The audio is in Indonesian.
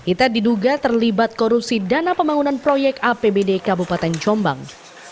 ita diduga terlibat korupsi dana pembangunan proyek apbd kabupaten jombang